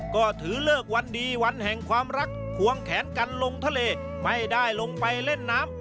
ก็ถือเลิกวันดีวันแห่งความรักควงแขนกันลงทะเลไม่ได้ลงไปเล่นน้ำ